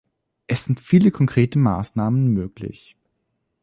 Es sind viele konkrete Maßnahmen möglich.